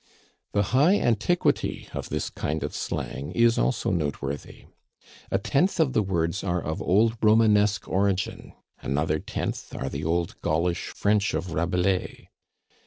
The high antiquity of this kind of slang is also noteworthy. A tenth of the words are of old Romanesque origin, another tenth are the old Gaulish French of Rabelais.